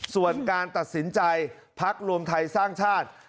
ส่วนการตัดสินใจพักรวมไทยสร้างชาติ